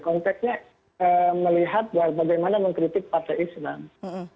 konteksnya melihat bagaimana mengkritik partai islam